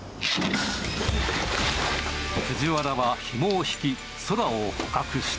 藤原はひもを引き、宙を捕獲した。